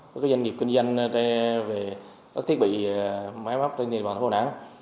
các doanh nghiệp kinh doanh về các thiết bị máy mắp trên nền bản phố nản